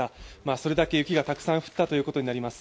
それだけ雪がたくさん降ったということになります。